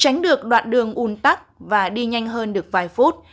tránh được đoạn đường un tắc và đi nhanh hơn được vài phút